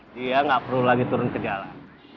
dia nggak perlu lagi turun ke jalan